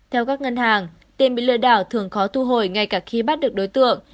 theo các ngân hàng tiền bị lừa đảo thường khó thu hồi ngay cả khi bắt được đối tượng